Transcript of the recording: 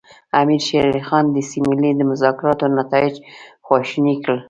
امیر شېر علي خان د سیملې د مذاکراتو نتایج خواشیني کړل.